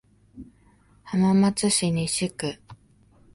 浜松市西区